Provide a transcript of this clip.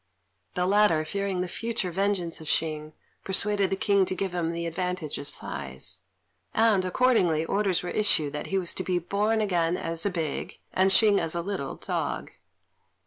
The latter, fearing the future vengeance of Hsing, persuaded the King to give him the advantage of size; and, accordingly, orders were issued that he was to be born again as a big, and Hsing as a little, dog.